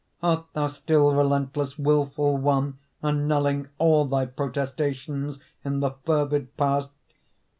Art thou still relentless, Wilful one, annulling All thy protestations In the fervid past?